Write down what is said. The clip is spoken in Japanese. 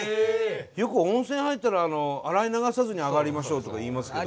よく温泉入ったら洗い流さずに上がりましょうとかいいますけど。